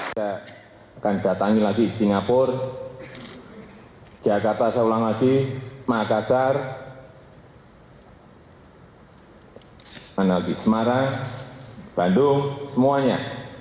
saya akan datang lagi singapura jakarta makassar semarang bandung semuanya